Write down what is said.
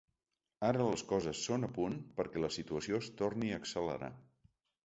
Ara les coses són a punt perquè la situació es torni a accelerar.